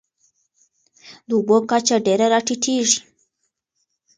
د اوبو کچه ډېره راټیټېږي.